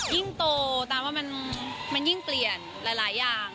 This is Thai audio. ยิ่งโตตามว่ามันยิ่งเปลี่ยนหลายอย่าง